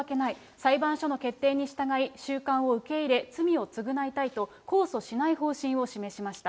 裁判所の決定に従い、収監を受け入れ、罪を償いたいと、控訴しない方針を示しました。